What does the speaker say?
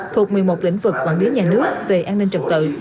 thuộc một mươi một lĩnh vực quản lý nhà nước về an ninh trật tự